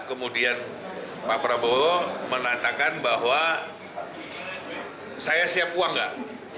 kemudian pak prabowo mengatakan bahwa saya siap uang gak